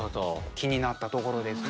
気になったところですね。